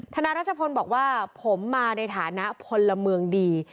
นารัชพลบอกว่าผมมาในฐานะพลเมืองดี